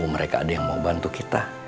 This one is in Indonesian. mereka ada yang mau bantu kita